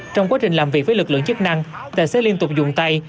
trong quá trình làm việc với lực lượng chức năng tài xế liên tục dùng tay